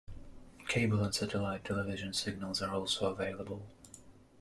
Cable and satellite television signals are also available.